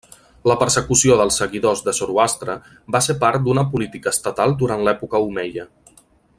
La persecució dels seguidors de Zoroastre va ser part d'una política estatal durant l'època omeia.